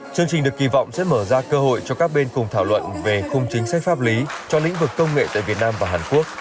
chương trình được kỳ vọng sẽ mở ra cơ hội cho các bên cùng thảo luận về khung chính sách pháp lý cho lĩnh vực công nghệ tại việt nam và hàn quốc